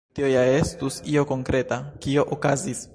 Tio ja estus io konkreta, kio okazis.